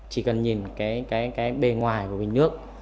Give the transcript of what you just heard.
chỉ cần nhìn cái bề ngoài của bình nước